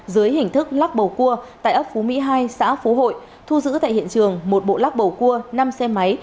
dưới hình thức lắc bầu cua tại ấp phú mỹ hai xã phú hội thu giữ tại hiện trường một bộ lắc bầu cua năm xe máy